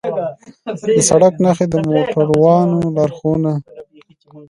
د سړک نښې د موټروانو لارښودوي.